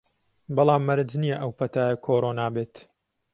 بەڵام مەرج نییە ئەو پەتایە کۆرۆنا بێت